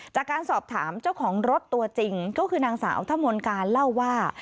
จากการสอบถามเจ้าของรถตัวจริงก็คือนางสาวทะมนต์การเล่าว่า